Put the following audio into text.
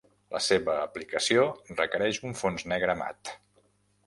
La seva aplicació requereix un fons negre mat.